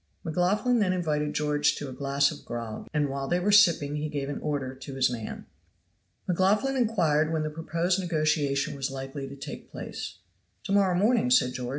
McLaughlan then invited George to a glass of grog, and while they were sipping he gave an order to his man. McLaughlan inquired when the proposed negotiation was likely to take place. "To morrow morning," said George.